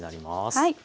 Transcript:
はい。